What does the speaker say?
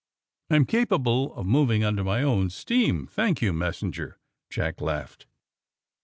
'* I'm capable of moving under my own steam, thank you, messenger," Jack laughed.